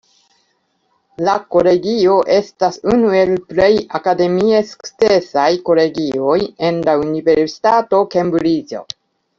La Kolegio estas unu el plej akademie sukcesaj kolegioj en la Universitato Kembriĝo.